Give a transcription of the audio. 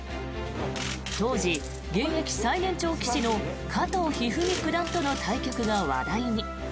当時、現役最年長棋士の加藤一二三九段との対局が話題に。